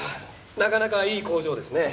なかなかいい工場ですね。